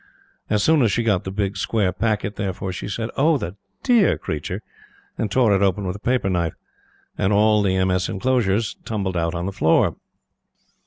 As soon as she got the big square packet, therefore, she said, "Oh, the DEAR creature!" and tore it open with a paper knife, and all the MS. enclosures tumbled out on the floor.